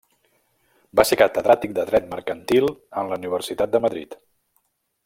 Va ser catedràtic de dret mercantil en la Universitat de Madrid.